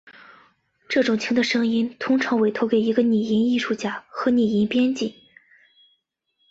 这种轻的声音通常委托给一个拟音艺术家和拟音编辑。